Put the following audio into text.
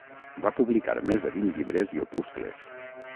Va publicar més de vint llibres i opuscles.